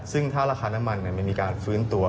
ซึ่งถ้าราคาน้ำมันมันมีการฟื้นตัว